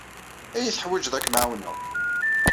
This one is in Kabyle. Ad iyi-teḥwijeḍ ad kem-ɛawneɣ.